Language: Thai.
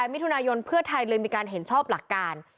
มิถุนายนเพื่อไทยเลยมีการเห็นชอบหลักการ